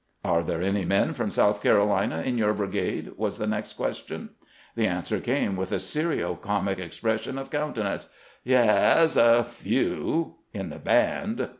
"Are there any men from South Carolina in your brigade?" was the next question. The answer came with a serio comic expression of countenance :" Yas ; a few — in the band."